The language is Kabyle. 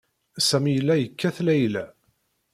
Sami yella yekkat Layla.